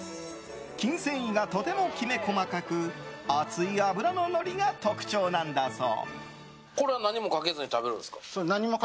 筋繊維がとてもきめ細かく厚い脂ののりが特徴なんだそう。